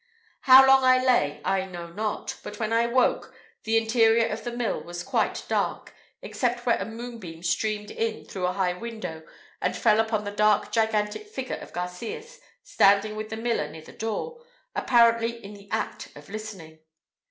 How long I lay I know not; but when I woke, the interior of the mill was quite dark, except where a moonbeam streamed in through a high window and fell upon the dark gigantic figure of Garcias standing with the miller near the door, apparently in the act of listening.